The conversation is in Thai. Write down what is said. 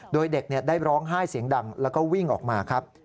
โดยเด็กได้ร้องไห้เสียงดังแล้วก็วิ่งออกมาครับ